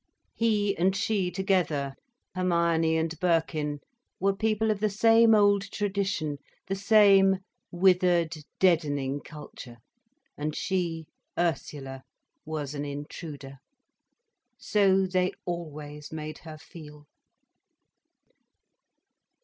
He and she together, Hermione and Birkin, were people of the same old tradition, the same withered deadening culture. And she, Ursula, was an intruder. So they always made her feel.